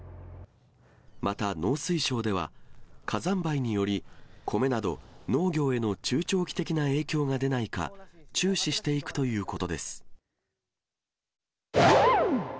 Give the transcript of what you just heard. また農水省では、火山灰により、コメなど農業への中長期的な影響が出ないか、注視していくという